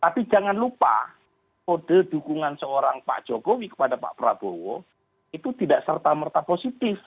tapi jangan lupa kode dukungan seorang pak jokowi kepada pak prabowo itu tidak serta merta positif